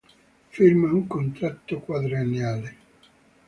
Firma un contratto quadriennale.